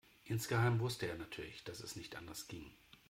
Insgeheim wusste er natürlich, dass es nicht anders ging.